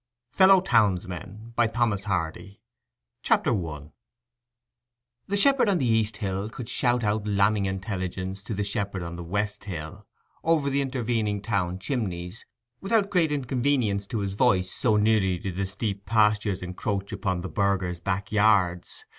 FELLOW TOWNSMEN CHAPTER I The shepherd on the east hill could shout out lambing intelligence to the shepherd on the west hill, over the intervening town chimneys, without great inconvenience to his voice, so nearly did the steep pastures encroach upon the burghers' backyards.